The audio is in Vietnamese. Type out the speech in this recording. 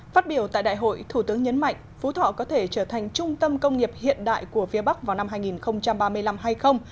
phát biểu tại đại hội thủ tướng nhấn mạnh phú thọ có thể trở thành trung tâm công nghiệp hiện đại của phía bắc vào năm hai nghìn ba mươi năm hay không